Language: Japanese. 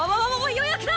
予約だ！